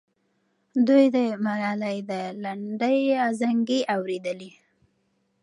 دوی د ملالۍ د لنډۍ ازانګې اورېدلې.